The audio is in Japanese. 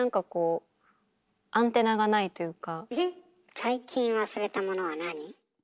最近忘れたものは何？